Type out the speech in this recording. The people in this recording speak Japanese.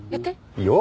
いいよ。